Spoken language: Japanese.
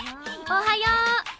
おはよう。